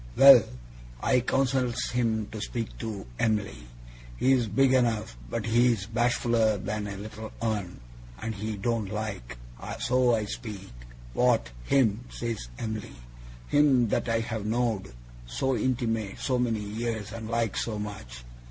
'Well! I counsels him to speak to Em'ly. He's big enough, but he's bashfuller than a little un, and he don't like. So I speak. "What! Him!" says Em'ly. "Him that I've know'd so intimate so many years, and like so much.